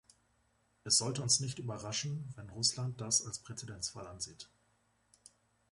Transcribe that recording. Es sollte uns nicht überraschen, wenn Russland das als Präzedenzfall ansieht.